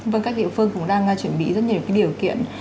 vâng các địa phương cũng đang chuẩn bị rất nhiều điều kiện